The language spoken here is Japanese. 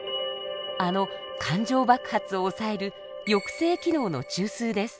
あの感情爆発を抑える抑制機能の中枢です。